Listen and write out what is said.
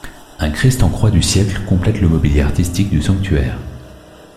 Un Christ en croix du siècle complète le mobilier artistique du sanctuaire.